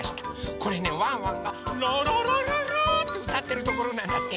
これねワンワンが「ラララララ」ってうたってるところなんだって。